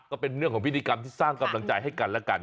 ก็เป็นเรื่องของพิธีกรรมที่สร้างกำลังใจให้กันและกัน